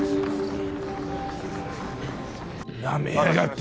なめやがって！